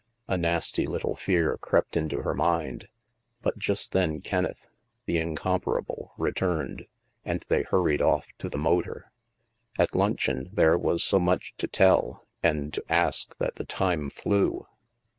A nasty little fear crept into her mind, but just then Kenneth, the incom parable, returned, and they hurried off to the motor. At luncheon there was so much to tell and to ask that the time flew.